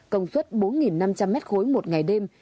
công suất bốn năm trăm linh mét khối một ngày đêm